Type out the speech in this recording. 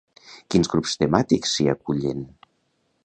Quins grups temàtics s'hi acullen?